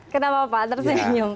kenapa pak tersenyum